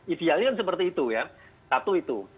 idealnya kan seperti itu ya satu itu